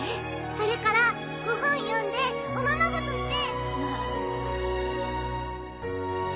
それからご本読んでおままごとして。